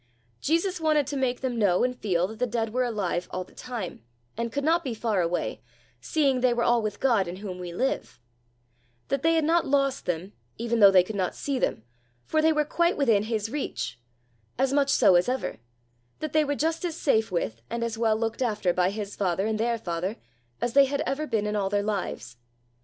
Jesus wanted to make them know and feel that the dead were alive all the time, and could not be far away, seeing they were all with God in whom we live; that they had not lost them though they could not see them, for they were quite within his reach as much so as ever; that they were just as safe with, and as well looked after by his father and their father, as they had ever been in all their lives.